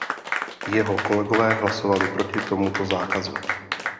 Jeho kolegové hlasovali proti tomuto zákazu.